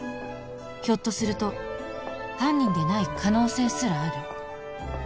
ひょっとすると犯人でない可能性すらある？